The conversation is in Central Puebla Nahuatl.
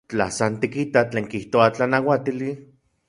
Tla san tikitaj tlen kijtoa tlanauatili.